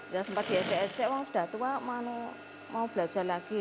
ya sempat diajak ajak sudah tua mau belajar lagi